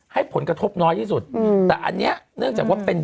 ให้ผลกระทบน้อยที่สุดอืมแต่อันเนี้ยเนื่องจากว่าเป็น